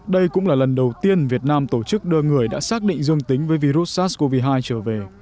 đây cũng là lần đầu tiên việt nam tổ chức đưa người đã xác định dương tính với virus sars cov hai trở về